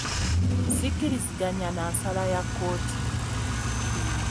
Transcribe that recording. Sikkiriziganya na nsala ya kkooti.